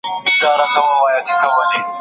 کله وخت کله ناوخته مي وهلی